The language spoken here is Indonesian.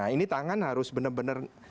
ini tangan harus benar benar anu ya